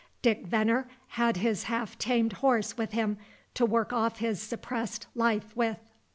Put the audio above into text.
Dick Venner had his half tamed horse with him to work off his suppressed life with.